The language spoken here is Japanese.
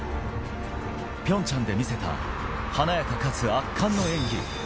ピョンチャンで見せた華やかかつ圧巻の演技。